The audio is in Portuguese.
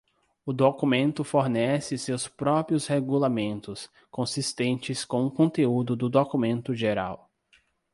O documento fornece seus próprios regulamentos, consistentes com o conteúdo do documento geral.